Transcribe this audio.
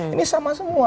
ini sama semua